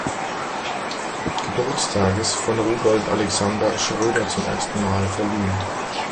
Geburtstages von Rudolf Alexander Schröder zum ersten Mal verliehen.